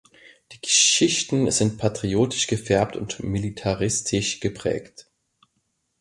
Die Geschichten sind patriotisch gefärbt und militaristisch geprägt.